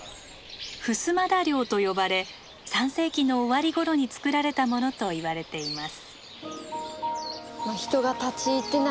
衾田陵と呼ばれ３世紀の終わりごろに造られたものといわれています。